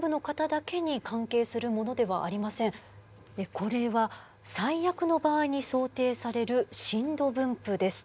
これは最悪の場合に想定される震度分布です。